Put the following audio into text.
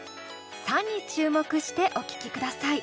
「さ」に注目してお聴きください。